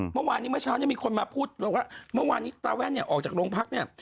เมื่อวานนี้เมื่อเช้าเนี่ยมีคนมาพูดว่าเมื่อวานนี้สตาร์แว่นเนี่ยออกจากโรงพักเนี่ย